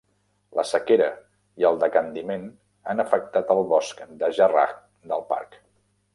La sequera i el decandiment han afectat el bosc de jarrah del parc.